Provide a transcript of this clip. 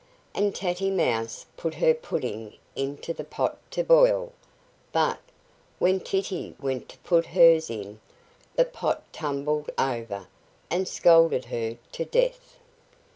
And Tatty Mouse put her pudding into the pot to boil, But, when Titty went to put hers in, the pot tumbled over, and scalded her to death.